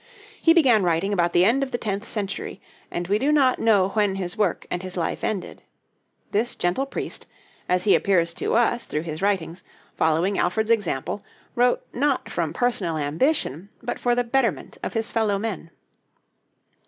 He began writing about the end of the tenth century, and we do not know when his work and his life ended. This gentle priest, as he appears to us through his writings, following Alfred's example, wrote not from personal ambition, but for the betterment of his fellow men.